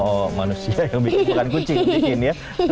oh manusia yang bikin bukan kucing bikin ya